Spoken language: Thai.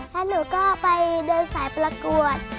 แล้วหนูก็ไปเดินสายประกวด